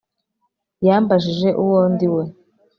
Yambajije uwo ndi we